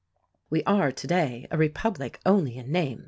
"We are, today, a republic only in name.